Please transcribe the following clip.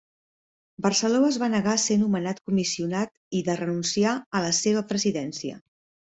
Barceló es va negar a ser nomenat Comissionat i de renunciar a la seva presidència.